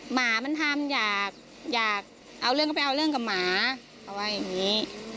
หมามันทำอยากเอาเรื่องก็ไปเอาเรื่องกับหมาเขาว่าอย่างนี้